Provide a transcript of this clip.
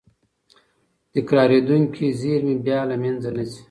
تکرارېدونکې زېرمې بیا له منځه نه ځي.